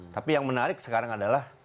tapi yang menarik sekarang adalah